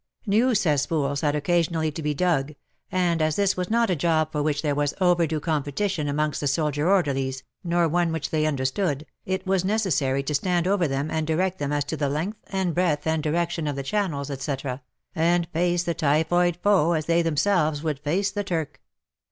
New cesspools had occasionally to be dug, and as this was not a job for which there was overdue competition amongst the soldier orderlies, nor one which they understood, it was necessary WAR AND WOMEN 127 to stand over them and direct them as to the length and breadth and direction of the channels, etc., and face the typhoid foe as they themselves would face the Turk.